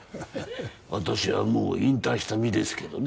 私はもう引退した身ですけどね